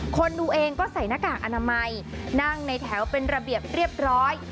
คนดูเองก็ใส่หน้ากากอนามัยนั่งในแถวเป็นระเบียบเรียบร้อย